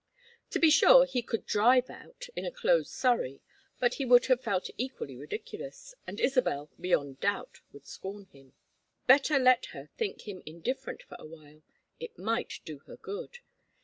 To be sure he could drive out in a closed surrey, but he would have felt equally ridiculous, and Isabel, beyond doubt, would scorn him. Better let her think him indifferent for a while; it might do her good.